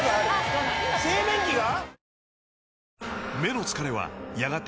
製麺機が？